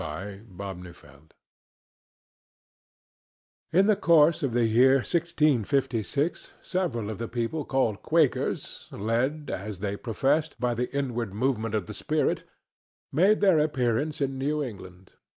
THE GENTLE BOY In the course of the year 1656 several of the people called Quakers—led, as they professed, by the inward movement of the spirit—made their appearance in New England.